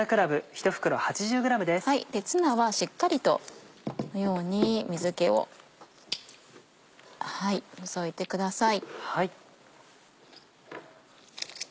ツナはしっかりとこのように水気を除いてください。